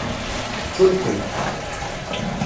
Ttun-kem.